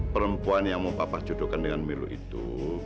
perempuan yang mau papa jodohkan dengan melu itu